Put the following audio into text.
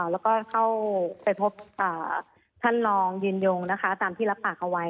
แล้วก็เข้าไปพบท่านรองยืนยงนะคะตามที่รับปากเอาไว้